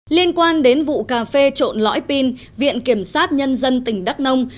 liên quan đến vụ cà phê trộn lõi pin viện kiểm sát nhân dân tỉnh đắk nông